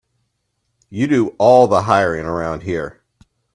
You do all the hiring around here.